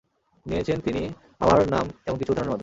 নিয়েছেন তিনি আমার নাম এমন কিছু উদাহরণের মাধ্যমে।